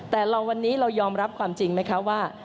แต่วันนี้เรายอมรับความจริงไหมคะว่า